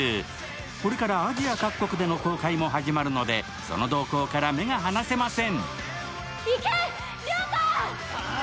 これからアジア各国での公開も始まるのでその動向から目が離せません。